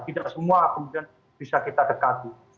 tidak semua kemudian bisa kita dekati